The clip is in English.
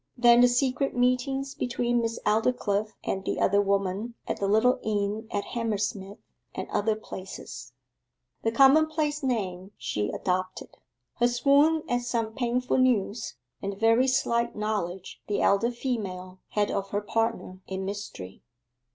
Then the secret meetings between Miss Aldclyffe and the other woman at the little inn at Hammersmith and other places: the commonplace name she adopted: her swoon at some painful news, and the very slight knowledge the elder female had of her partner in mystery.